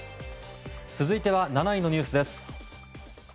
続いては７位のニュースです。